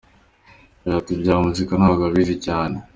Yagize ati “Ibya muzika ntabwo abizi cyane.